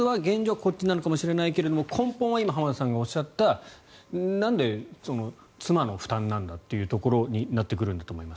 こっちなのかもしれないけれど根本は今、浜田さんがおっしゃったなんで、妻の負担なんだというところになってくるんだと思います。